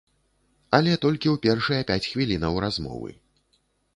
Але толькі ў першыя пяць хвілінаў размовы.